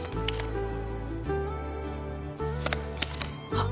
あっ！